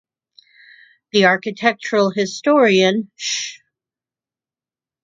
The architectural historian Sh.